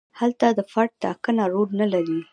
هلته د فرد ټاکنه رول نه لري.